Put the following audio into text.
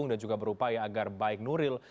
dan juga berupaya agar baik nuril